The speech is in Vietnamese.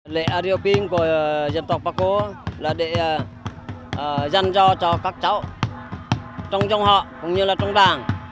lễ aryopin của dân tộc bà cô là để dân do cho các cháu trong trong họ cũng như là trong đảng